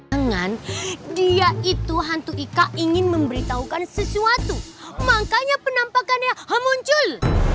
dengan dia itu hantu ika ingin memberitahukan sesuatu makanya penampakannya muncul